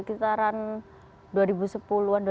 hampir sepuluh tahun waktu itu ya